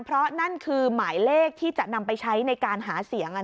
เพราะนั่นคือหมายเลขที่จะนำไปใช้ในการหาเสียง